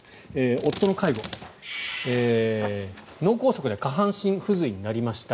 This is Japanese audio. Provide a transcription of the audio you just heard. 夫の介護、脳梗塞で下半身不随になりました。